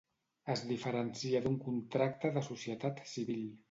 Es diferencia d'un contracte de societat civil.